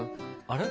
あれ？